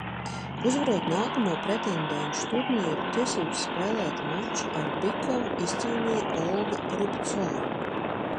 Uzvarot nākamo pretendenšu turnīru, tiesības spēlēt maču ar Bikovu izcīnīja Olga Rubcova.